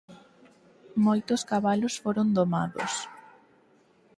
Moitos cabalos foron domados.